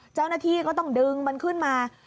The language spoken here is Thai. เจ้าหน้าที่ก็ต้องดึงมันขึ้นมา